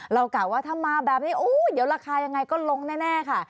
กล่าวว่าถ้ามาแบบนี้เดี๋ยวราคายังไงก็ลงแน่ค่ะ